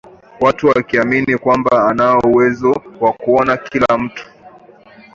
Watu wakiamini kwamba anao uwezo wa kuona kila kitu